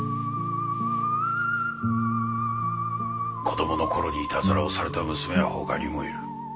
子どもの頃にいたずらをされた娘はほかにもいる。